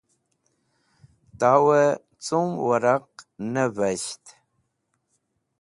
Tawẽ cum wẽraq nivisht?